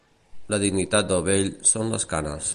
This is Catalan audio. La dignitat del vell són «les canes».